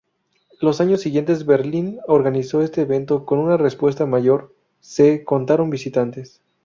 Los años siguientes Berlín organizó este evento con una respuesta mayor: se contaron visitantes.